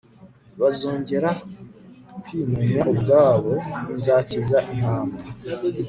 bazongera kwimenya ubwabo Nzakiza intama